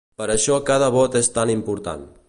Per això cada vot és tan important.